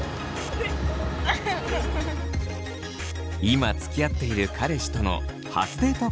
今つきあっている彼氏との初デート